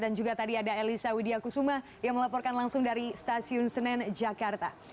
dan juga tadi ada elisa widya kusuma yang melaporkan langsung dari stasiun senen jakarta